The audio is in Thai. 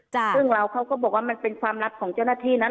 ซึ่งเราเขาก็บอกว่ามันเป็นความลับของเจ้าหน้าที่นะ